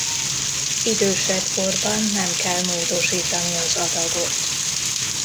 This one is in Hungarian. Idősebb korban nem kell módosítani az adagot.